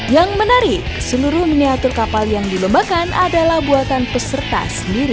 yang menarik seluruh miniatur kapal yang dilombakan adalah buatan peserta sendiri